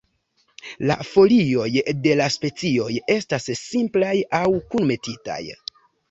La folioj de la specioj estas simplaj aŭ kunmetitaj.